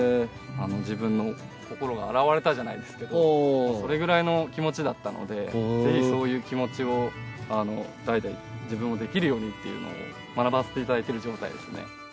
自分の心が洗われたじゃないですけどそれくらいの気持ちだったのでぜひそういう気持ちを代々自分もできるようにっていうので学ばせていただいてる状態ですね。